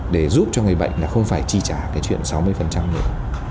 để giúp cho người bệnh là không phải chi trả cái chuyện sáu mươi nữa